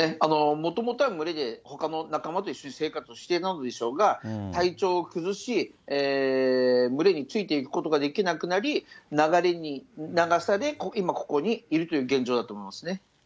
もともとは群れで、ほかの仲間と一緒に生活していたのでしょうが、体調を崩し、群れについていくことができなくなり、流れに流され、今、ここにいるという現状だと思いますね。